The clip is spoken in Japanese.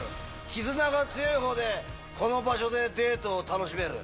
絆が強いほうでこの場所でデートを楽しめる。